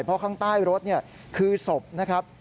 เพราะข้างใต้รถคือศพนะครับ